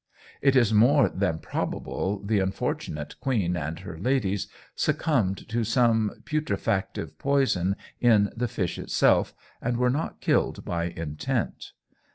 '" It is more than probable the unfortunate queen and her ladies succumbed to some putrefactive poison in the fish itself, and were not killed by intent.